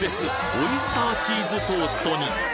オイスターチーズトーストに！